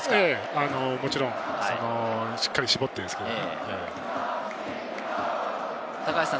もちろん、しっかり絞ってですけど。